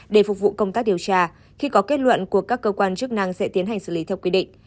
để phục vụ công tác điều tra khi có kết luận của các cơ quan chức năng sẽ tiến hành xử lý theo quy định